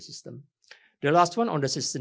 yang terakhir tentang kesehatan